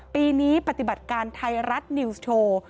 ปีนี้ปฏิบัติการไทยรัฐนิวส์โชว์